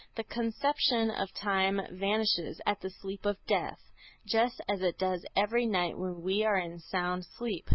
The conception of time vanishes at the sleep of death, just as it does every night when we are in sound sleep.